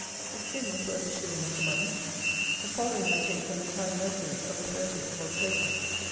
The skin was worth a shilling of the money! The following I take from the Tyne Mercury of the 30th of October.